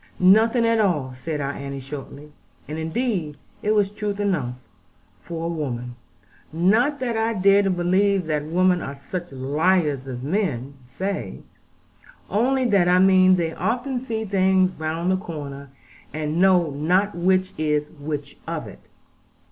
"Nothing at all," said our Annie shortly. And indeed it was truth enough for a woman. Not that I dare to believe that women are such liars as men say; only that I mean they often see things round the corner, and know not which is which of it.